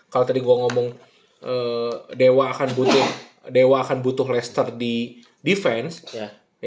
kalau tadi gue ngomong dewa akan butuh leicester di defense